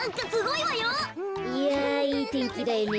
いやいいてんきだよね。